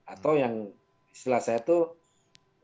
atau yang terlalu besar untuk dijadikan permainan politik